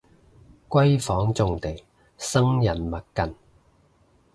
閨房重地生人勿近